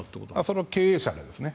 それは経営者ですね。